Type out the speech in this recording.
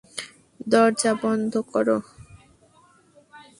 দরজা বন্ধ করো!